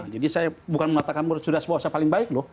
jadi saya bukan meletakkan murid sudah sebuah saya paling baik loh